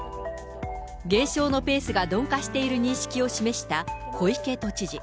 減少のペースが鈍化している認識を示した小池都知事。